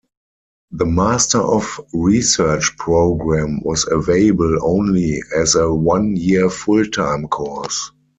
The Master of Research programme was available only as a one-year full-time course.